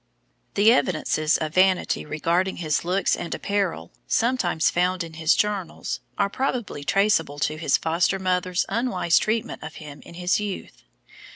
The evidences of vanity regarding his looks and apparel, sometimes found in his journal, are probably traceable to his foster mother's unwise treatment of him in his youth.